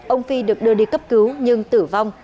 ông phi được đưa đi cấp cứu nhưng tử vong